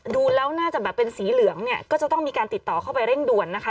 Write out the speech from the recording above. ดูแล้วน่าจะแบบเป็นสีเหลืองเนี่ยก็จะต้องมีการติดต่อเข้าไปเร่งด่วนนะคะ